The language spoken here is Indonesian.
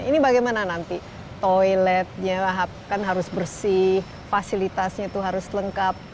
ini bagaimana nanti toiletnya kan harus bersih fasilitasnya itu harus lengkap